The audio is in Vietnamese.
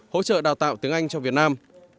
hỗ trợ đào tạo tiếng anh cho việt nam